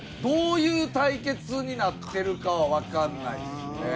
どういう対決になってるかはわかんないですね。